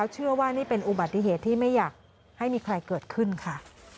เชื่อว่านี่เป็นอุบัติเหตุที่ไม่อยากให้มีใครเกิดขึ้นค่ะ